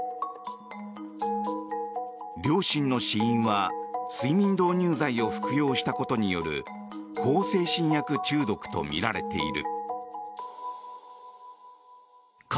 両親の死因は睡眠導入剤を服用したことによる向精神薬中毒とみられている。